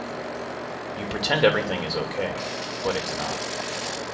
You pretend everything is okay, but it's not.